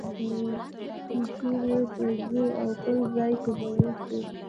چې چېرې به ځو او کوم ځای کې به اوسو.